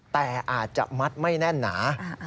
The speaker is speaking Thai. แต่อาจจะมัดไม่แน่นหนา